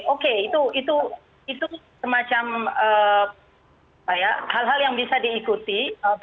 oke itu semacam hal hal yang bisa diikuti